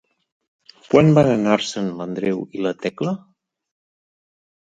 Quan van anar-se'n l'Andreu i la Tecla?